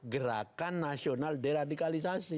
gerakan nasional deradikalisasi